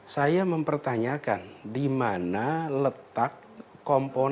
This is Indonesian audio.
saya mempertanyakan di mana letak komponen